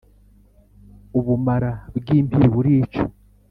ubumara bw impiri burica